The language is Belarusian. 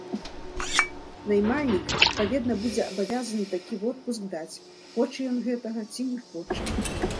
Наймальнік, адпаведна, будзе абавязаны такі водпуск даць, хоча ён гэтага ці не хоча.